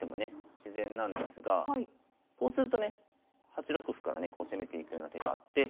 自然なんですがこうするとね８六歩からねこう攻めていくような手があって。